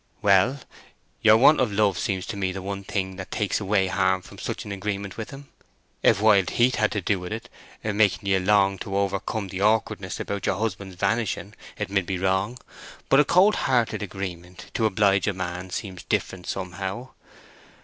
"Well, your want of love seems to me the one thing that takes away harm from such an agreement with him. If wild heat had to do wi' it, making ye long to over come the awkwardness about your husband's vanishing, it mid be wrong; but a cold hearted agreement to oblige a man seems different, somehow.